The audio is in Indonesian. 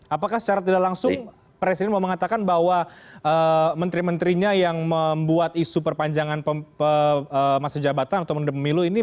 apakah secara tidak langsung presiden mau mengatakan bahwa menteri menterinya yang membuat isu perpanjangan masa jabatan atau pemilu ini